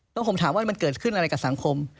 แล้วผมถามว่ามันเกิดขึ้นอะไรกับสังคม